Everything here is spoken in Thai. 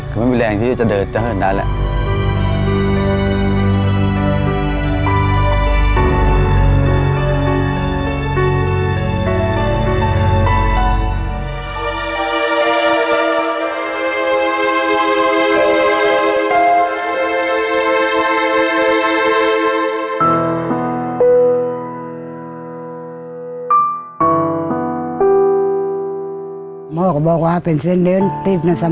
คือไม่มีแรงที่จะเดินจะเหินได้แหละ